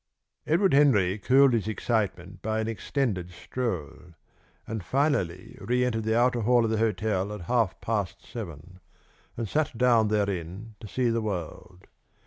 Edward Henry cooled his excitement by an extended stroll, and finally re entered the outer hall of the hotel at half past seven, and sat down therein to see the world.